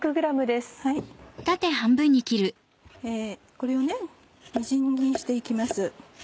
これをみじん切りにして行きます。